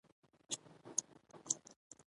احمد خپله ځواني په نشو تماشو تباه کړ.